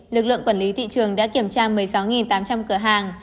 lực lượng quản lý thị trường đã kiểm tra một mươi sáu tám trăm linh cửa hàng